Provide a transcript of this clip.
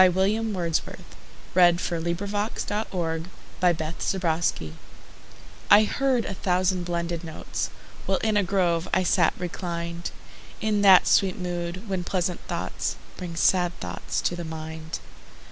William Wordsworth Lines Written in Early Spring I HEARD a thousand blended notes, While in a grove I sate reclined, In that sweet mood when pleasant thoughts Bring sad thoughts to the mind.